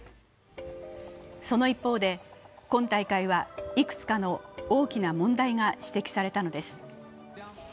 その一方で、今大会はいくつかの大きな問題が指摘されたのです。